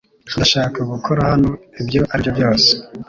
Ndashaka gukora hano ibyo ari byo byose